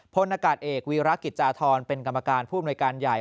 พลอากาศเอกวีรักษ์กิจอธรรมเป็นกรรมการผู้มนวยการใหญ่